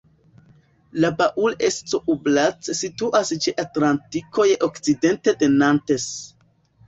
La Baule-Escoublac situas ĉe Atlantiko je okcidente de Nantes.